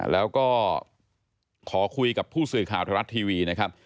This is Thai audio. แล้วก็ขอคุยกับผู้สื่อข่าวไทยรัฐทีวีนะครับ